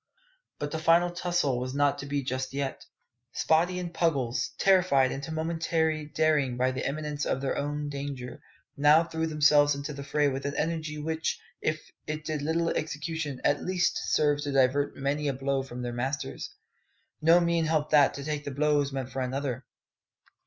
But the "final tussle" was not to be just yet. Spottie and Puggles, terrified into momentary daring by the imminence of their own danger, now threw themselves into the fray with an energy which, if it did little execution, at least served to divert many a blow from their masters. No mean help that to take the blows meant for another.